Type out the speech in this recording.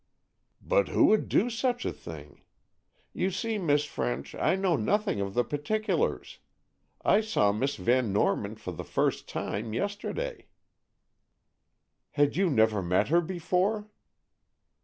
"But who would do such a thing? You see, Miss French, I know nothing of the particulars. I saw Miss Van Norman for the first time yesterday." "Had you never met her before?"